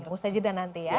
tunggu saja dan nanti ya